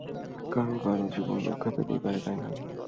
কারোও কারোও জীবন রক্ষা পেতেই পারে, তাই না?